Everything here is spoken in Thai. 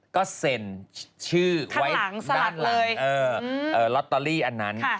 ก็เซ็นชื่อทางหลังสลัดเลยเออลอตเตอรี่อันนั้น